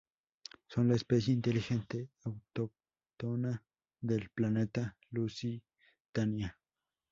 Son la especie inteligente autóctona del planeta Lusitania.